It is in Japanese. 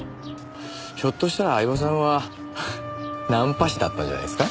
ひょっとしたら饗庭さんはナンパ師だったんじゃないですか？